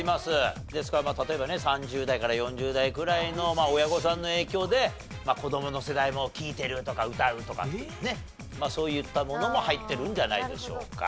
ですから例えばね３０代から４０代くらいの親御さんの影響で子供の世代も聴いてるとか歌うとかねっそういったものも入ってるんじゃないでしょうか。